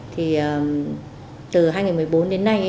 từ hai nghìn một mươi bốn đến nay